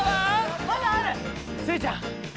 スイちゃん